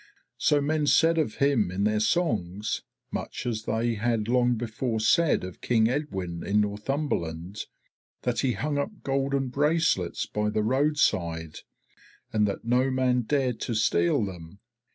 So men said of him in their songs, much as they had long before said of King Edwin in Northumberland, that he hung up golden bracelets by the roadside, and that no man dared to steal them.